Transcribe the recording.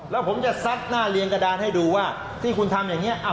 ลองฟังคุณชูวิทย์นะฮะ